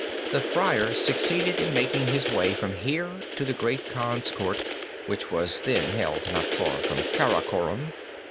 The Friar succeeded in making his way from here to the Great Khan's Court which was then held not far from Karakorum.